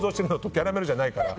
キャラメルじゃないから。